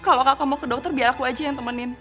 kalau kakak mau ke dokter biar aku aja yang temenin